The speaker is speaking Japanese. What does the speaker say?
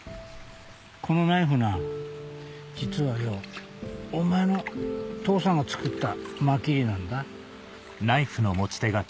このナイフな実はよお前の父さんが作ったマキリなんだ。